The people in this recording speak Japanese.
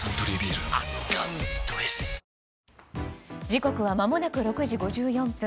時刻はまもなく６時５４分。